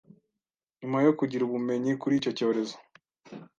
nyuma yo kugira ubumenyi kuri iki cyorezo